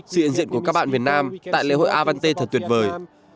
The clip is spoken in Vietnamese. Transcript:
sự hiện diện của các bạn việt nam tại lễ hội avante thật tuyệt vời